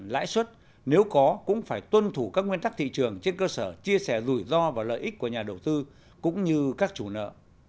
lãi suất nếu có cũng phải tuân thủ các nguyên tắc thị trường trên cơ sở chia sẻ rủi ro và lợi ích của nhà đầu tư cũng như các chủ nợ